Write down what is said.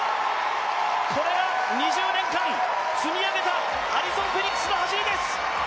これが２０年間、積み上げたアリソン・フェリックスの走りです。